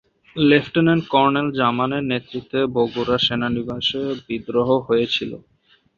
Lieutenant colonel জামানের নেতৃত্বে বগুড়া সেনানিবাসে বিদ্রোহ হয়েছিল।